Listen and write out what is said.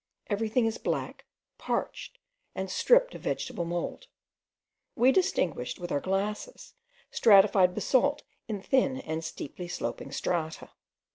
Everything is black, parched, and stripped of vegetable mould. We distinguished, with our glasses, stratified basalt in thin and steeply sloping strata.